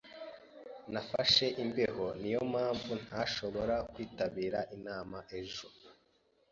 Nafashe imbeho. Niyo mpamvu ntashobora kwitabira inama ejo.